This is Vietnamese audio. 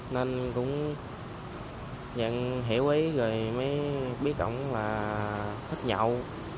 nên cũng nhận hiểu ý rồi mới biết cổng là thích nhậu